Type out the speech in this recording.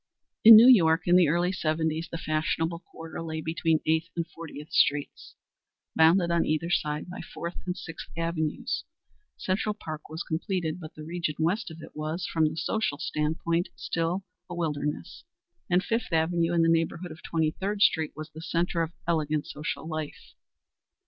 In New York in the early seventies the fashionable quarter lay between Eighth and Fortieth Streets, bounded on either side by Fourth and Sixth Avenues. Central Park was completed, but the region west of it was, from the social stand point, still a wilderness, and Fifth Avenue in the neighborhood of Twenty third Street was the centre of elegant social life.